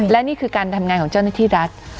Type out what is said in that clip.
และนี่คือการทำงานของเจ้าหน้าที่รัฐ